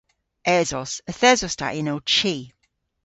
Esos. Yth esos ta yn ow chi.